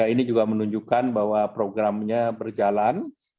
dan ini juga menunjukkan bahwa programnya berjalan